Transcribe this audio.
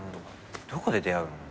どこで出会うの？